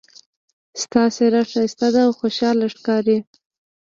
د تا څېره ښایسته ده او خوشحاله ښکاري